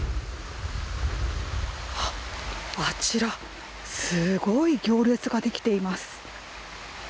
あちらすごい行列ができています。